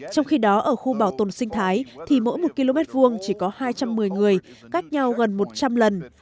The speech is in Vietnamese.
trong khi đó ở khu bảo tồn sinh thái thì mỗi một km vuông chỉ có hai trăm một mươi người cách nhau gần một trăm linh lần